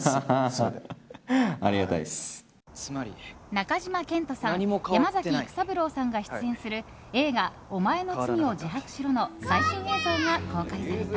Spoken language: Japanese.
中島健人さん山崎育三郎さんが出演する映画「おまえの罪を自白しろ」の最新映像が公開された。